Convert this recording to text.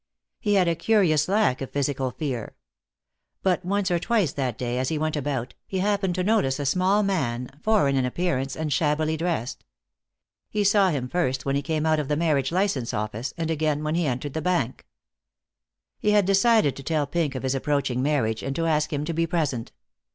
He had a curious lack of physical fear. But once or twice that day, as he went about, he happened to notice a small man, foreign in appearance and shabbily dressed. He saw him first when he came out of the marriage license office, and again when he entered the bank. He had decided to tell Pink of his approaching marriage and to ask him to be present.